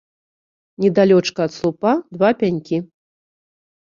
Недалёчка ад слупа два пянькі.